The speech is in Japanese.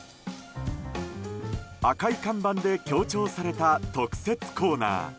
赤い看板で強調された特設コーナー。